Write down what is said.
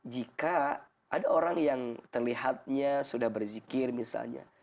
jika ada orang yang terlihatnya sudah berzikir misalnya